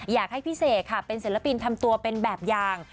อยากให้พี่เสกค่ะเป็นศิลปินทำตัวเป็นแบบอย่าง